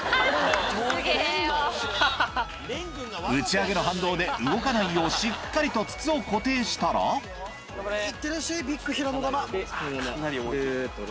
打ち上げの反動で動かないようしっかりと筒を固定したらバイバイ！